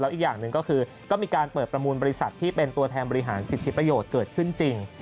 อีกอย่างหนึ่งก็คือก็มีการเปิดประมูลบริษัทที่เป็นตัวแทนบริหารสิทธิประโยชน์เกิดขึ้นจริง